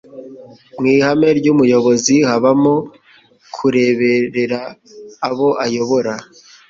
Mwihame ry'umuyobozi habamo kureberera abo ayobora